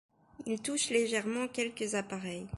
Ils touchent légèrement quelques appareils.